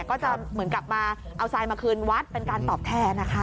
ก็จะเหมือนกลับมาเอาทรายมาคืนวัดเป็นการตอบแทนนะคะ